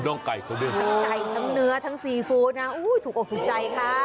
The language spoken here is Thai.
ทั้งไก่ทั้งเนื้อทั้งซีฟู้ดนะถูกอบถูกใจค่ะ